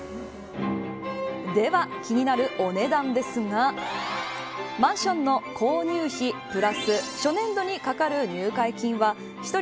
では、気になるお値段ですがマンションの購入費プラス初年度にかかる入会金は１人